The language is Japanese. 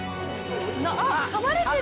あっ、かまれてる！